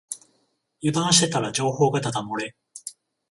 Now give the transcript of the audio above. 油断してたら情報がだだ漏れ